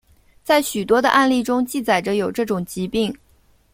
在许多的案例中记载有这种疾病。